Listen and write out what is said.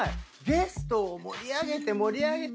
ゲストを盛り上げて盛り上げて。